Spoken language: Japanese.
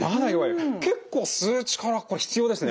結構吸う力これ必要ですね。